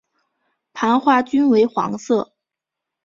盘花均为黄色。